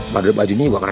padahal bajunya juga keren